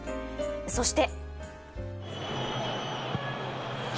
そして、。